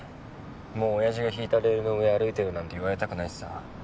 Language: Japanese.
もう親父が敷いたレールの上歩いてるなんて言われたくないしさ。